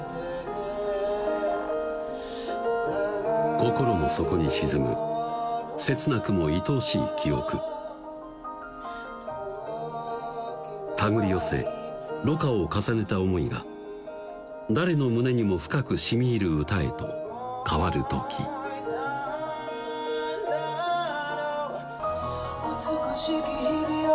心の底に沈む切なくもいとおしい記憶たぐり寄せろ過を重ねた思いが誰の胸にも深く染み入る歌へと変わる時あぁ